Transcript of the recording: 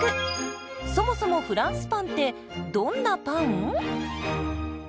そもそもフランスパンってどんなパン？